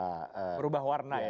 berubah warna ya